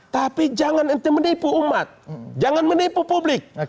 tapi jangan ente menipu umat jangan menipu publik